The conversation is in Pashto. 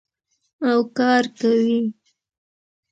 او کار کوي.